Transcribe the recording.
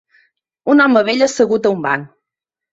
Un home vell assegut a un banc.